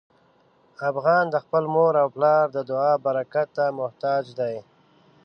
افغان د خپل مور او پلار د دعا برکت ته محتاج دی.